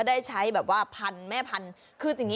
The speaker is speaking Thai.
ได้ใช้แบบว่าพันธ์แม่พันธ์